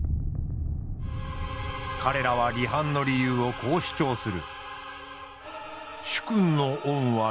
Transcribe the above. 彼らは離反の理由をこう主張する。